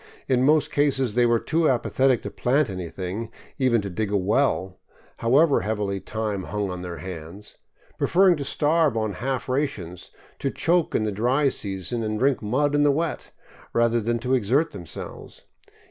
In most cases they were too apathetic to plant anything, even to dig a well, however heavily time hung on their hands, preferring to starve on half rations, to choke in the dry season and drink mud in the wet, rather than to exert them selves.